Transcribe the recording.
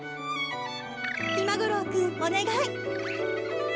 ひまごろうくんおねがい。